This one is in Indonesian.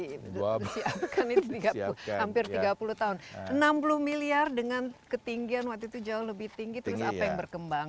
hampir tiga puluh tahun enam puluh miliar dengan ketinggian waktu itu jauh lebih tinggi tinggal yang berkembang